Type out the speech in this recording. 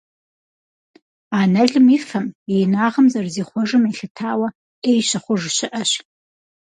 Анэлым и фэм, и инагъым зэрызихъуэжым елъытауэ, «Ӏей» щыхъуж щыӀэщ.